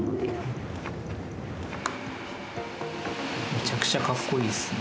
めちゃくちゃかっこいいですね。